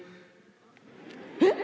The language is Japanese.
えっ！